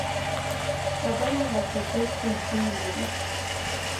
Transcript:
خبره لکه ګل خوشبويي لري